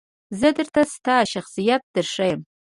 زه درته ستا شخصیت درښایم .